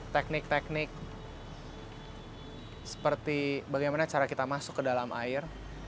teknik teknik seperti bagaimana cara kita masuk ke dalam air